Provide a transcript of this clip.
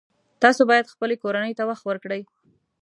تاسو باید خپلې کورنۍ ته وخت ورکړئ